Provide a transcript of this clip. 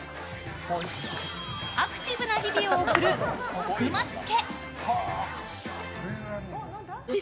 アクティブな日々を送る奥松家。